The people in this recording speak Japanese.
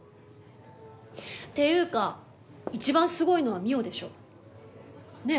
っていうか一番すごいのは望緒でしょ。ねえ？